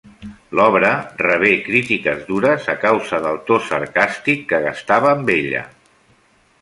L'obra rebé crítiques dures a causa del to sarcàstic que gastava amb ella.